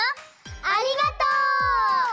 ありがとう！